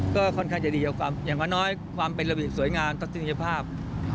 ก็ค่อนข้างจะดีกว่าอย่างน้อยความเป็นระเบียบสวยงามทัศนียภาพ